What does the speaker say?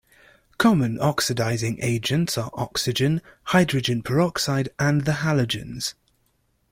Common oxidizing agents are oxygen, hydrogen peroxide and the halogens.